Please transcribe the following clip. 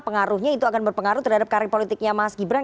pengaruhnya itu akan berpengaruh terhadap karir politiknya mas gibran